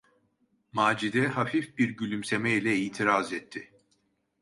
Macide hafif bir gülümsemeyle itiraz etti: